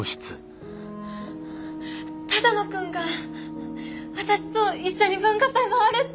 只野くんが私と一緒に文化祭回るって！